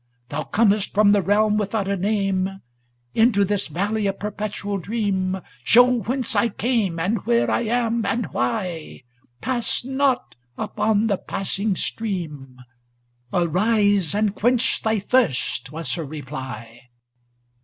Thou comest from the realm without a name, 478 MISCELLANEOUS POEMS *" Into tLis valley of perpetual dream, Show whence I came, and where I am, and why ŌĆö Pass not away upon the passing stream." *" Arise and quench thy thirst," was her reply.